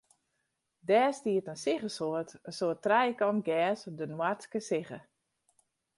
Dêr stiet in siggesoart, in soart trijekant gers, de noardske sigge.